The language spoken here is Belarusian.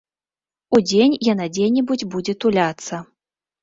Удзень яна дзе-небудзь будзе туляцца.